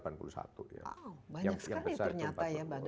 banyak sekali ternyata ya